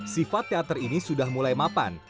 sifat teater ini sudah mulai mapan